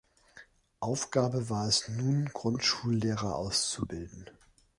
Aufgabe war es nun Grundschullehrer auszubilden.